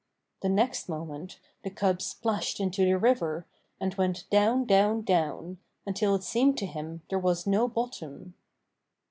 The next moment the cub splashed Buster and Loup 21 into the river, and went down, down, down until it seemed to him there was no bottom.